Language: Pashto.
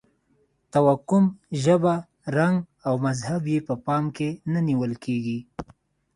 توکم، ژبه، رنګ او مذهب یې په پام کې نه نیول کېږي.